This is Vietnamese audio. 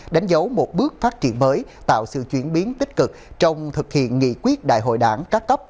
đánh dấu một bước phát triển mới tạo sự chuyển biến tích cực trong thực hiện nghị quyết đại hội đảng các cấp